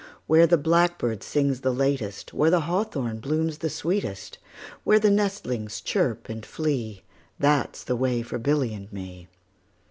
Where the blackbird sings the latest, 5 Where the hawthorn blooms the sweetest, Where the nestlings chirp and flee, That 's the way for Billy and me.